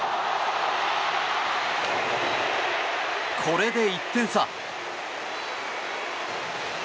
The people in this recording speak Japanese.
これで１点差。